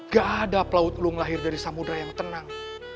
gaada pelaut ulung lahir dari samuda yang tenang